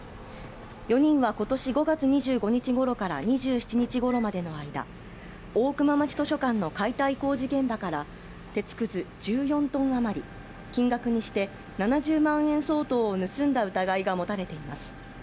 ４人は今年５月２５日ごろから２７日ごろまでの間大熊町図書館の解体工事現場から鉄くず１４トン余り金額にして７０万円相当を盗んだ疑いが持たれています